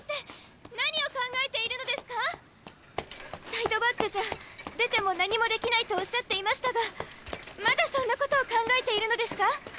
サイドバックじゃ出ても何もできないとおっしゃっていましたがまだそんなことを考えているのですか？